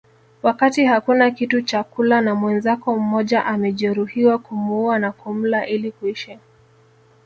Wakati hakuna kitu cha kula na mwenzako mmoja amejeruhiwa kumuua na kumla ili kuishi